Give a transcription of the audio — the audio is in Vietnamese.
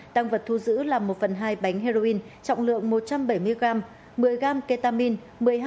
tăng vật thu giữ là một phần hai bánh heroin trọng lượng một trăm bảy mươi gram một mươi gram ketamine